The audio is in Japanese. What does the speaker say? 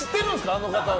あの方は。